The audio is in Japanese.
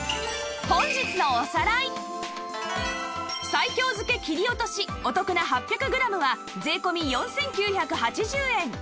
西京漬け切り落としお得な８００グラムは税込４９８０円